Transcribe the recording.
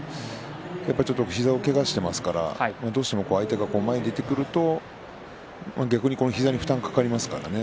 やっぱりちょっと膝をけがしてますからどうしても相手が前に出てくると逆に膝に負担がかかりますからね。